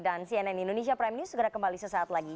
dan cnn indonesia prime news segera kembali sesaat lagi